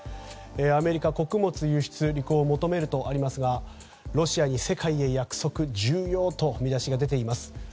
アメリカ穀物輸出履行を求めるということですがロシアに世界へ約束、重要と見出しが出ています。